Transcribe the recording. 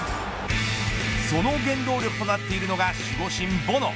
その原動力となっているのが守護神ボノ。